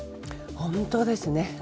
本当ですね。